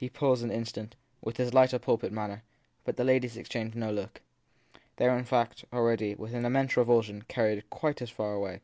Pie paused an instant, with his lighter pulpit manner, but the ladies exchanged no look. They were, in fact, already, with an immense revulsion, carried quite as far away.